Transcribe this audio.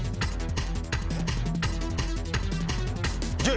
１０。